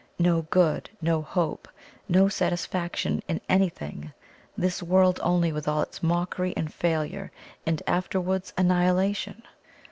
No good, no hope, no satisfaction in anything this world only with all its mockery and failure and afterwards annihilation!